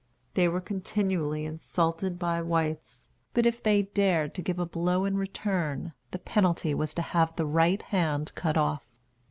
They were continually insulted by whites, but if they dared to give a blow in return, the penalty was to have the right hand cut off.